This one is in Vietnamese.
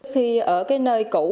thì ở cái nơi cũ